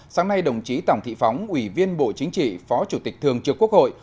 sáng nay đồng chí tổng thị phóng ủy viên bộ chính trị phó chủ tịch thường trưởng quốc hội